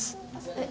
えっ！？